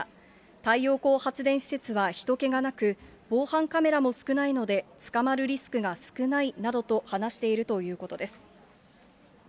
太陽光発電施設はひと気がなく、防犯カメラも少なくて捕まるリスクが少ないなどと話しているということです。